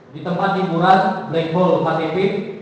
di tempat hiburan black hole ktp